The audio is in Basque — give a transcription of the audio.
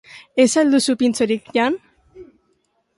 Ez al duzu pintxorik jan?